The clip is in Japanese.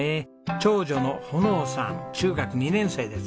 長女の穂の生さん中学２年生です。